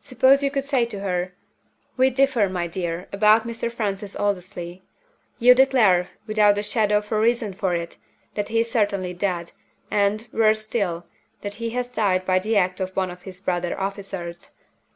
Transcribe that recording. Suppose you could say to her, 'We differ, my dear, about Mr. Francis Aldersley. You declare, without the shadow of a reason for it, that he is certainly dead, and, worse still, that he has died by the act of one of his brother officers.